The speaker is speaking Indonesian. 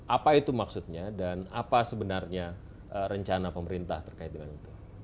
apa itu maksudnya dan apa sebenarnya rencana pemerintah terkait dengan itu